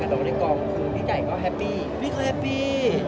คือพี่จ่ายก็แฮปปี้